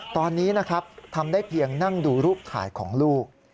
ตอนนี้นะครับทำได้เพียงนั่งดูรูปถ่ายของลูก